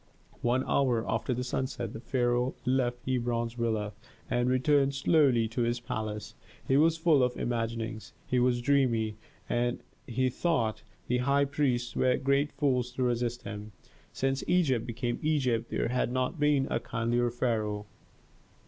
One hour after sunset the pharaoh left Hebron's villa and returned slowly to his palace. He was full of imaginings, he was dreamy, and he thought the high priests were great fools to resist him. Since Egypt became Egypt there had not been a kindlier pharaoh.